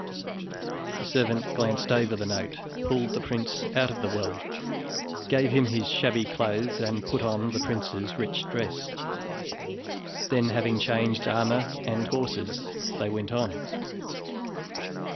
The servant glanced over the note, pulled the prince out of the well, gave him his shabby clothes, and put on the prince's rich dress. Then having changed armor and horses, they went on.